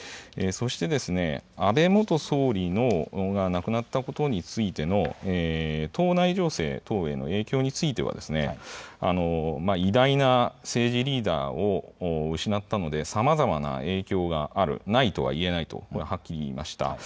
そして、安倍元総理が亡くなったことについての党内情勢等への影響については偉大な政治リーダーを失ったのでさまざまな影響があるないとは言えないとはっきり言いました。